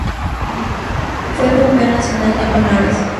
Fue campeón nacional de menores.